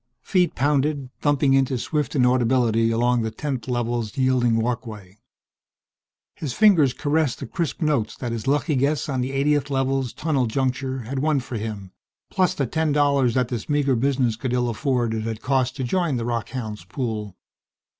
Feet pounded, thumping into swift inaudibility along the 10th Level's yielding walkway. His fingers caressed the crisp notes that his lucky guess on the 80th Level's tunnel juncture had won for him, plus the ten dollars, that this meager business could ill afford, it had cost to join the rockhounds' pool....